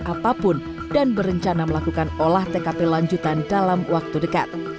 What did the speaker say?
apapun dan berencana melakukan olah tkp lanjutan dalam waktu dekat